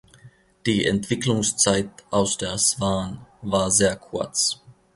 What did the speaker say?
Die Entwicklungszeit aus der Swan war sehr kurz.